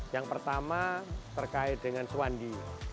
yang pertama terkait dengan suwandi